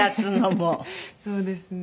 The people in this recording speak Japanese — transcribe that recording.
そうですね。